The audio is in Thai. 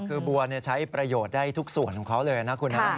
คือบัวใช้ประโยชน์ได้ทุกส่วนของเขาเลยนะคุณนะ